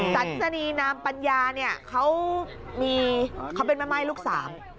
สรรสนีนามปัญญาเขาเป็นแม่ไหม้ลูกสาม